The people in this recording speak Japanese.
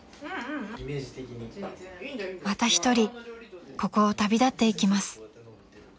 ［また一人ここを旅立っていきます］